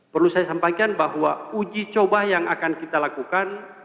perlu saya sampaikan bahwa uji coba yang akan kita lakukan